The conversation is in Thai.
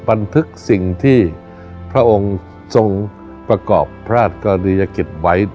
บันทึกสิ่งที่พระองค์ทรงประกอบพระราชกรณียกิจไว้